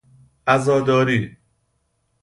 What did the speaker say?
عزاداری